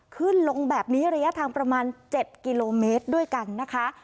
ขึ้นลงแบบนี้ระยะทางประมาณ๗กิโลเมตรด้วยกันนะคะ